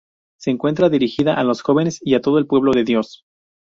Se encuentra dirigida a los jóvenes y a todo el pueblo de Dios.